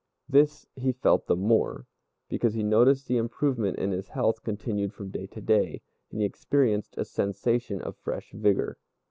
This he felt the more, because he noticed the improvement in his health continued from day to day, and he experienced a sensation of fresh vigor.